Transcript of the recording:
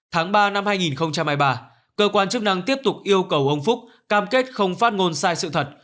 tháng ba năm hai nghìn hai mươi ba cơ quan chức năng tiếp tục yêu cầu ông phúc cam kết không phát ngôn sai sự thật